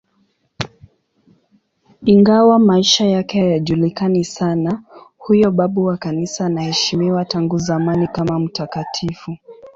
Ingawa maisha yake hayajulikani sana, huyo babu wa Kanisa anaheshimiwa tangu zamani kama mtakatifu.